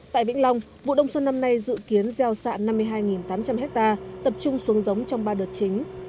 tại vĩnh long vụ đông xuân năm nay dự kiến gieo sạn năm mươi hai tám trăm linh hectare tập trung xuống giống trong ba đợt chính